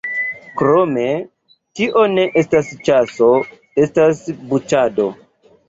Krome, tio ne estas ĉaso: estas buĉado.